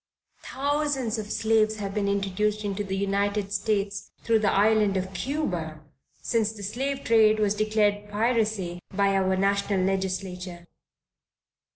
Thousands of slaves have been introduced into the United States through the island of Cuba, since the slave trade was declared piracy by our national legislature.